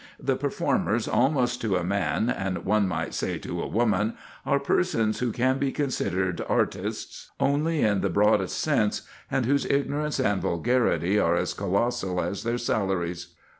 The performers almost to a man, and one might say to a woman, are persons who can be considered "artists" only in the broadest sense, and whose ignorance and vulgarity are as colossal as their salaries.